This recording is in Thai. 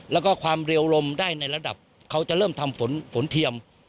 แล้วก็ความเร็วลมได้ในระดับเขาจะเริ่มทำฝนเทียม